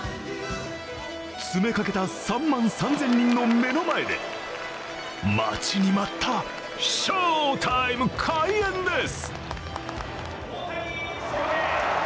詰めかけた３万３０００人の目の前で待ちに待った翔タイム開演です。